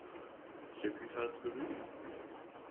Je puis faire du bruit ?